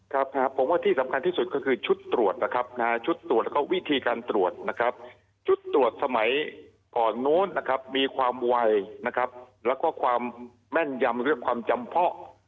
ความวัยแล้วก็ความแม่นยำเรียกว่าความจำเพาะ